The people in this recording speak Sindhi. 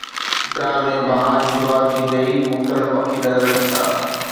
چترال ۾ بهار جي شروعات ٿيندي ئي مختلف پکي نظر اچن ٿا